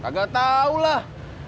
gagal tau lah